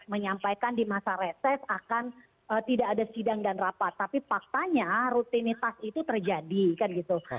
menyampaikan di masa reses akan tidak ada sidang dan rapat tapi faktanya rutinitas itu terjadi kan gitu